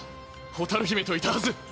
蛍姫といたはず。